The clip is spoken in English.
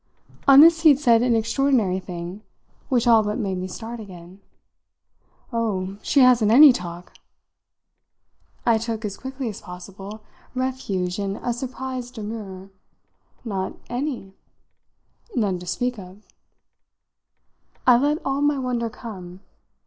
On this he said an extraordinary thing, which all but made me start again. "Oh, she hasn't any talk!" I took, as quickly as possible, refuge in a surprised demurrer. "Not any?" "None to speak of." I let all my wonder come.